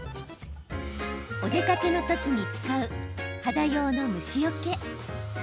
お出かけの時に使う肌用の虫よけ。